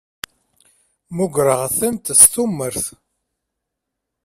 Mmugreɣ-tent s tumert.